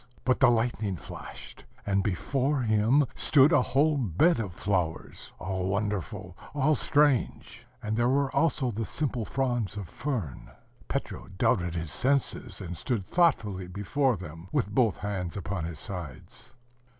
But the lightning flashed; and before him stood a whole bed of flowers, all wonderful, all strange: and there were also the simple fronds of fern. Petro doubted his senses, and stood thoughtfully before them, with both hands upon his sides.